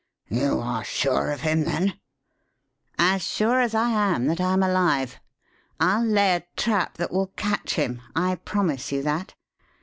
"You are sure of him, then?" "As sure as I am that I'm alive. I'll lay a trap that will catch him. I promise you that.